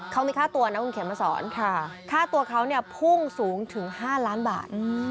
เขามีค่าตัวนะคุณเขียนมาสอนค่าตัวเขาเนี่ยพุ่งสูงถึง๕ล้านบาท